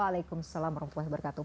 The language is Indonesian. waalaikumsalam warahmatullahi wabarakatuh